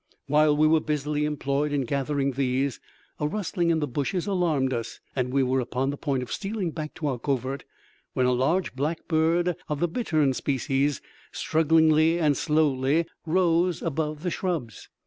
While we were busily employed in gathering these, a rustling in the bushes alarmed us, and we were upon the point of stealing back to our covert, when a large black bird of the bittern species strugglingly and slowly arose above the shrubs.